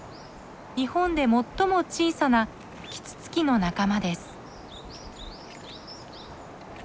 日本で最も小さなキツツキの仲間です。